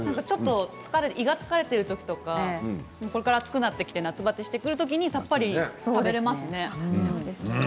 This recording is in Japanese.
胃が疲れているときとかこれから暑くなって夏バテしてくるときなどにさっぱり食べられますね。